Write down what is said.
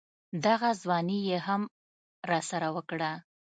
دغه ځواني يې هم راسره وکړه.